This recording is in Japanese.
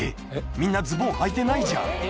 みんなズボンはいてないじゃん